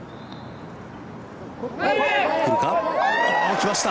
きました！